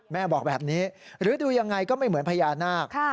แม่บอกแบบนี้หรือดูยังไงก็ไม่เหมือนพญานาค